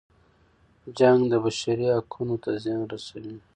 جنګ د بشري حقونو ته زیان رسوي.